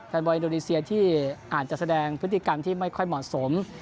แฟนบอลอินโดนีเซียที่อาจจะแสดงพฤติกรรมที่ไม่ค่อยเหมาะสม